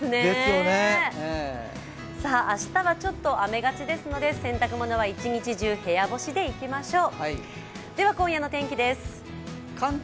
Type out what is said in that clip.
明日はちょっと雨がちですので、洗濯物は一日中、部屋干しでいきましょう。